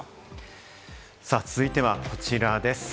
続いてはこちらです。